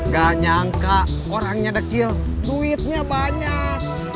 gak nyangka orangnya dekil duitnya banyak